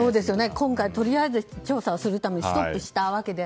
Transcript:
今回はとりあえず調査するためにストップしたということで。